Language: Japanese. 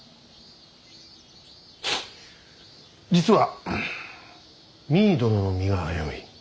実は実衣殿の身が危うい。